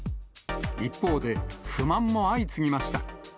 一方で、不満も相次ぎました。